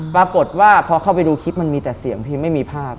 ปรากฏว่าพอเข้าไปดูคลิปมันมีแต่เสียงพี่ไม่มีภาพ